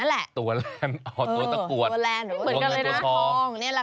เหมือนกันเลยนะ